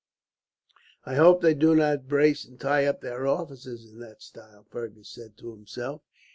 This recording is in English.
"I hope they do not brace and tie up their officers in that style," Fergus said to himself.